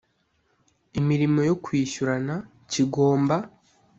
Imirimo yo kwishyurana kigomba